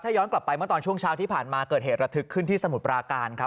ย้อนกลับไปเมื่อตอนช่วงเช้าที่ผ่านมาเกิดเหตุระทึกขึ้นที่สมุทรปราการครับ